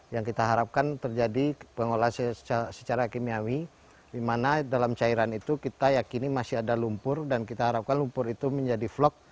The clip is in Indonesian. yang kita harapkan terjadi pengolahan secara kimiawi di mana dalam cairan itu kita yakini masih ada lumpur dan kita harapkan lumpur itu menjadi vlog